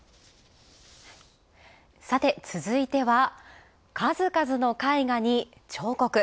さて続いては、数々の絵画に彫刻。